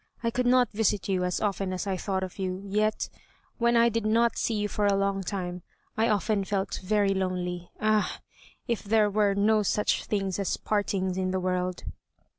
I could not visit you as often as I thought of you, yet, when I did not see you for a long time, I often felt very lonely. Ah! if there were no such things as partings in the world!"